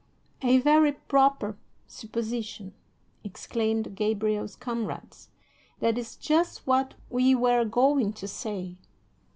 "A very proper supposition," exclaimed Gabriel's comrades; "that is just what we were going to say."